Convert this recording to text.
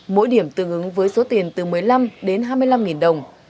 mỗi điểm tương ứng với số tiền từ một mươi năm đến hai mươi năm đồng